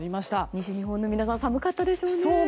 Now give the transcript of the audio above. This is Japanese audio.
西日本の皆さんは寒かったでしょうね。